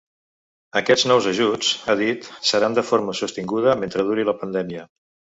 Aquests nous ajuts, ha dit, seran “de forma sostinguda” mentre duri la pandèmia.